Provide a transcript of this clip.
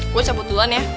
gue cabut duluan ya